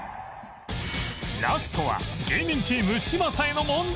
ラストは芸人チーム嶋佐への問題